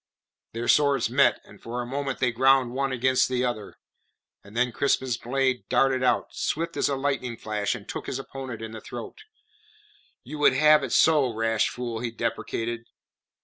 Their swords met, and for a moment they ground one against the other; then Crispin's blade darted out, swift as a lightning flash, and took his opponent in the throat. "You would have it so, rash fool," he deprecated.